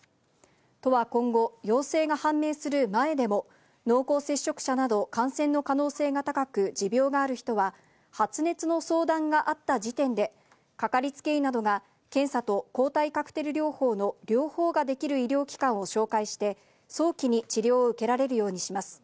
都は今後、陽性が判明する前でも、濃厚接触者など感染の可能性が高く、持病がある人は、発熱の相談があった時点で、かかりつけ医などが検査と抗体カクテル療法の両方ができる医療機関を紹介して、早期に治療を受けられるようにします。